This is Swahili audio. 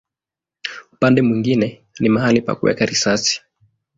Upande mwingine ni mahali pa kuweka risasi.